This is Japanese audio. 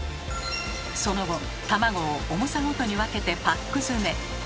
その後卵を重さごとに分けてパック詰め。